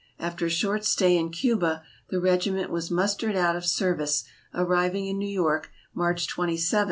After a short stay in Cuba the regiment was mustered out of service, arriving in New York, March 27, 1899.